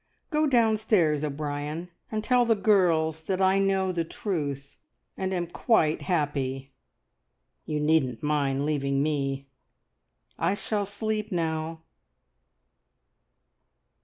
Go downstairs, O'Brien, and tell the girls that I know the truth, and am quite happy. You needn't mind leaving me. I shall sleep now!"